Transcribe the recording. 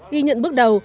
ghi nhận bước đầu